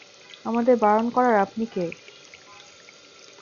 আমাদের বারণ করার আপনি কে?